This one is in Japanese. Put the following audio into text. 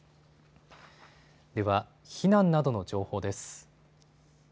では、避難などの情報です。